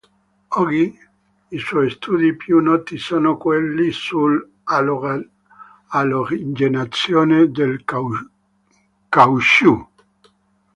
Oggi i suoi studi più noti sono quelli sull'alogenazione del caucciù.